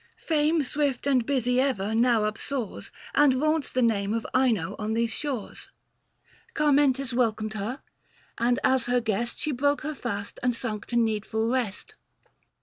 630 Fame, swift and busy ever, now upsoars, And vaunts the name of Ino on those shores. Carmentis welcomed her, and as her guest She broke her fast and sunk to needful rest.